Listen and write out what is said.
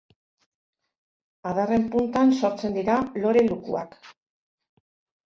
Adarren puntan sortzen dira lore-lukuak.